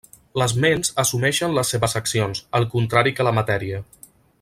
Les ments assumeixen les seves accions, al contrari que la matèria.